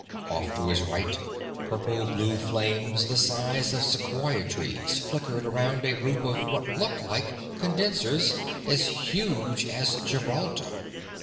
Off to his right purple blue flames the size of Sequoia trees flickered around a group of what looked like condensers as huge as Gibraltar.